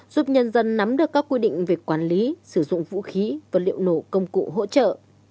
giúp nhân dân nắm được các quy định về quản lý sử dụng vũ khí vật liệu nổ công cụ hỗ trợ